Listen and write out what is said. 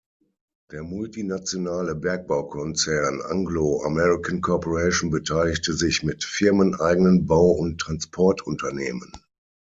Der multinationale Bergbaukonzern Anglo American Corporation beteiligte sich mit firmeneigenen Bau- und Transportunternehmen.